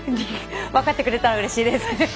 分かってくれたらうれしいです。